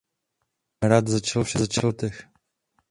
Hrát začal v šesti letech.